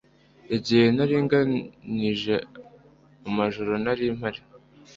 Igihe yaringanije amajuru nari mpari